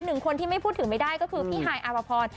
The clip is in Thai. หนึ่งคนที่ไม่พูดถึงไม่ได้ก็คือพี่ฮายอาภพร